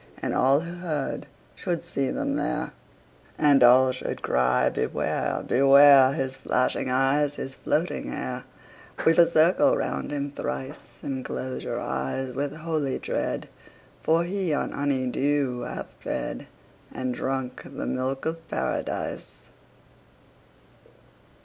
And all who heard should see them there, And all should cry, Beware! Beware! His flashing eyes, his floating hair! 50 Weave a circle round him thrice, And close your eyes with holy dread, For he on honey dew hath fed, And drunk the milk of Paradise.